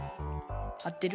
合ってる？